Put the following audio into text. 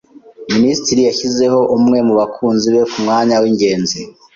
Minisitiri yashyizeho umwe mu bakunzi be ku mwanya w'ingenzi.